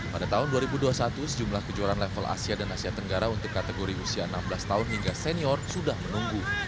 pada tahun dua ribu dua puluh satu sejumlah kejuaraan level asia dan asia tenggara untuk kategori usia enam belas tahun hingga senior sudah menunggu